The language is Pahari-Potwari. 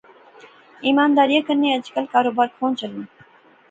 ایمانداریا کنے کاروباری اج کل کھان چلنا؟